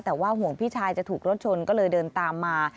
แต่ว่าห่วงพี่ชายจะถูกรถชนก็เลยเดินตามมา